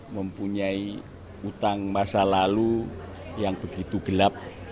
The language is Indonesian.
mempunyai utang masa lalu yang begitu gelap